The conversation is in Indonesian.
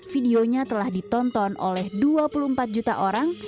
videonya telah ditonton oleh dua puluh empat juta orang